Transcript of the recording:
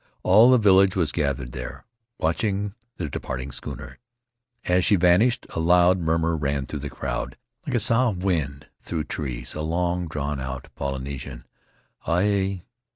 All the village was gathered there, watching the departing schooner. As she van ished a loud murmur ran through the crowd, like a sough of wind through trees — a long drawn out Polyne sian, '''Aue!